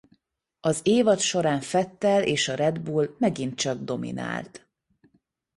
Az évad során Vettel és a Red Bull megint csak dominált.